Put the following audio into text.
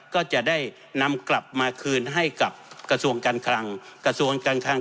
ก็จะได้นำกลับมาคืนให้กับกระทรวงการคลังกระทรวงการคลัง